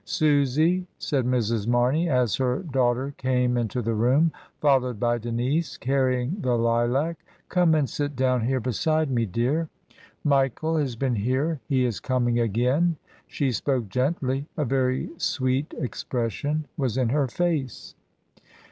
"Susy," said Mrs. Marney, as her daughter came into the room, followed by Denise carrying the lilac, "come and siL down here beside me, dear. Michael FUNERALIA. 24 1 has been here. He is coming again." She spoke gently; a very sweet expression was in her face.